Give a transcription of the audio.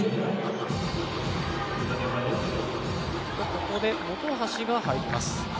ここで本橋が入ります。